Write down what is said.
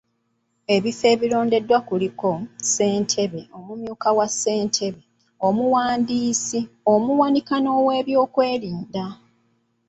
Ebifo ebirondeddwa kuliko; ssentebe, omumyuka wa ssentebe, omuwandiisi, omuwanika n’oweebyokwerinda.